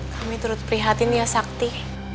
kami turut prihatin ya sakti